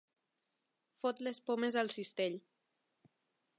Fot les pomes al cistell.